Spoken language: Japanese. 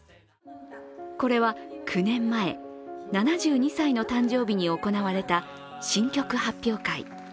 これは９年前、７２歳の誕生日に行われた新曲発表会。